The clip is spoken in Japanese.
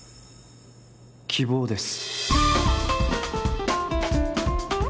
希望です。